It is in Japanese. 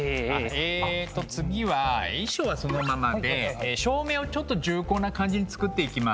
えっと次は衣装はそのままで照明をちょっと重厚な感じに作っていきます。